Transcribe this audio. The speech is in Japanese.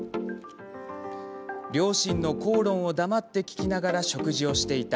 両親の口論を黙って聞きながら食事をしていた。